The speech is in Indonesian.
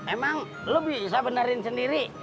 emang lo bisa benerin sendiri